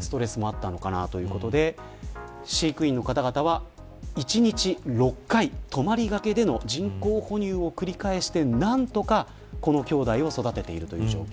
ストレスもあったのかなということで飼育員の方々は１日６回泊まりがけでの人工哺乳を繰り返して何とかこのきょうだいを育てている状況。